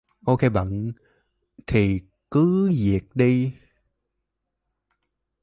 Ok bận thì cứ việc đi